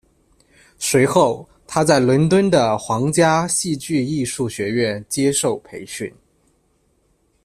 随后他在伦敦的皇家戏剧艺术学院接受培训。